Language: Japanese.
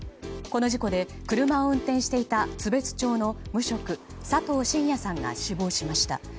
この事故で車を運転していた津別町の無職佐藤信哉さんが死亡しました。